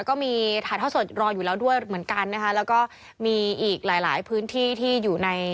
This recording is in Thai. ก็เป็นบรรยากาศจากวัดไทยในหลายพื้นที่นะคะ